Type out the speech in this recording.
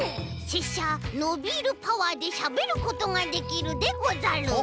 せっしゃノビールパワーでしゃべることができるでござる。